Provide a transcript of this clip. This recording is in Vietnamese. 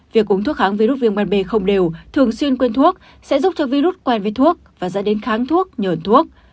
việc uống thuốc kháng virus viêm gan b không đều thường xuyên quên thuốc sẽ giúp cho virus quen với thuốc và dẫn đến kháng thuốc nhờn thuốc